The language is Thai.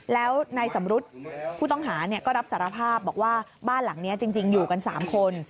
แล้วนายสำรุษผู้ต้องหาก็รับสารภาพบอกว่าบ้านหลังนี้จริงอยู่กัน๓คน